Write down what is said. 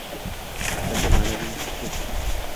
Maktabda ma’naviy muhit sust.